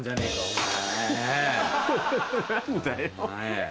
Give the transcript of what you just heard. お前。